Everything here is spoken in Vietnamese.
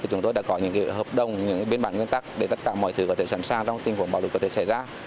chúng tôi đã có những hợp đồng những biên bản nguyên tắc để tất cả mọi thứ có thể sẵn sàng trong tình huống bạo lực có thể xảy ra